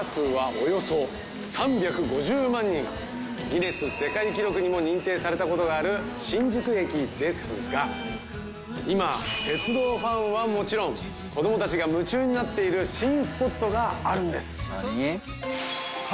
ギネス世界記録にも認定された事がある新宿駅ですが今鉄道ファンはもちろん子どもたちが夢中になっている新スポットがあるんです。